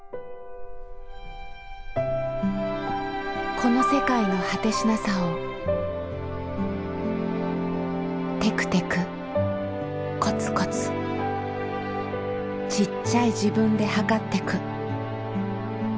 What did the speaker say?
この世界の果てしなさをてくてくこつこつちっちゃい自分で測ってく。